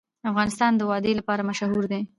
افغانستان د وادي لپاره مشهور دی.